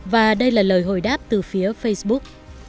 và đây là lời hồi đáp từ phía facebook